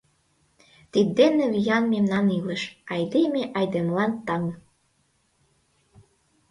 Тиддене виян мемнан илыш: Айдеме — айдемылан таҥ.